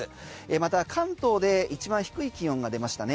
また関東で一番低い気温が出ましたね。